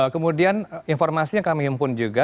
kemudian informasi yang kami himpun juga